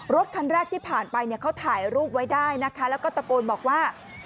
รถคันแรกที่ผ่านไปเนี่ยเขาถ่ายรูปไว้ได้นะคะแล้วก็ตะโกนบอกว่า